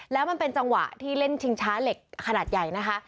แล้วมันเป็นจังหวะที่เล่นชิงช้าเหล็กขนาดใหญ่นะคะ